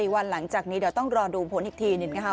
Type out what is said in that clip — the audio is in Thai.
วันหลังจากนี้เดี๋ยวต้องรอดูผลอีกทีหนึ่งนะคะ